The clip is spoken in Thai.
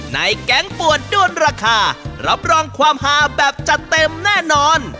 ในกะแขนกปวดด้วนราคารับรองความหาแบบจะเต็มแน่นอน